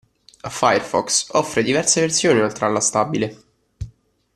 Firefox offre diverse versioni oltre alla stabile.